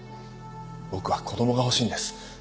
僕は子供が欲しいんです